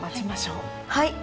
はい。